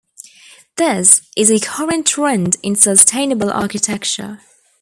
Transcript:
This is a current trend in sustainable architecture.